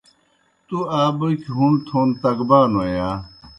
تُوْ آ بوکیْ ہُوݨ تھون تگبانوئے یا؟